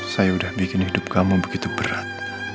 saya udah bikin hidup kamu begitu berat